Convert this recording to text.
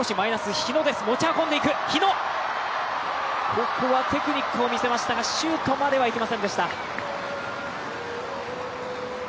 ここはテクニックを見せましたがシュートまではいきませんでした。